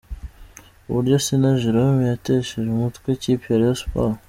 Uburyo Sina Jérôme yatesheje umutwe ikipe ya Rayon Sports.